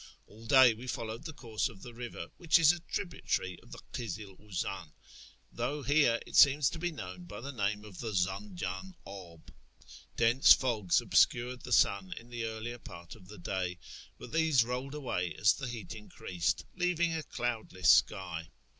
All day we followed the course of the river, which is a tributary of the Kizil Uzan, though here it seems to be known by the name of the Zanj; in ab. Dense fogs obscured the sun in the earlier part of the day, but these rolled away as the heat increased, leaving a cloudless sky.